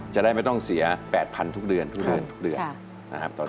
จะได้ไม่ต้องเสีย๘๐๐๐ทุกเดือนทุกเดือนทุกเดือนนะครับ